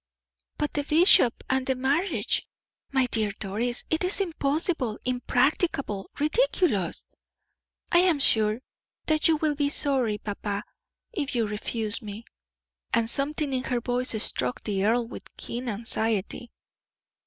"But the bishop, and the marriage. My dear Doris, it is impossible, impracticable, ridiculous!" "I am sure that you will be sorry, papa, if you refuse me." And something in her voice struck the earl with keen anxiety.